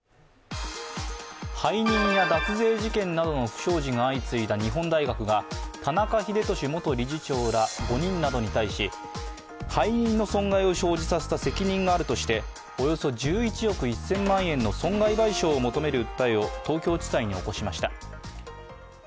背任や脱税事件などの不祥事が相次いだ日本大学が田中英寿元理事長ら５人などに対し背任の損害を生じさせた責任があるとしておよそ１１億１０００万円の損害賠償を求める訴えを東京地裁に起こしました。